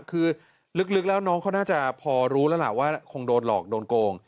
คือลึกแล้วน้องเขาน่าจะพอรู้แล้วล่ะว่าคงโดนหลอกโดนโกง